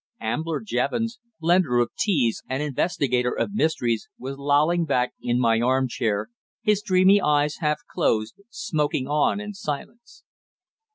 Ambler Jevons, blender of teas and investigator of mysteries, was lolling back in my armchair, his dreamy eyes half closed, smoking on in silence.